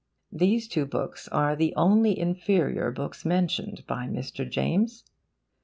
These two books are the only inferior books mentioned by Mr. James.